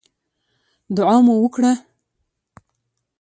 دعا مو وکړه.